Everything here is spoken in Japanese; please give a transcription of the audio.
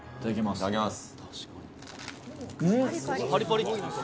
いただきます。